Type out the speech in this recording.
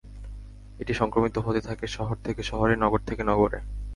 এটি সংক্রামিত হতে থাকে শহর থেকে শহরে, নগর থেকে নগরে।